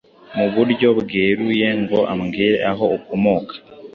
Mu buryo bweruye ngo umbwire aho ukomoka